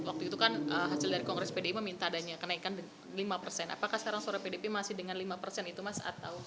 waktu itu kan hasil dari kongres pdi meminta adanya kenaikan lima persen apakah sekarang suara pdip masih dengan lima persen itu mas